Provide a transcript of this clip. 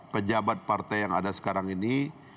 pejabat partai yang ada sekarang ini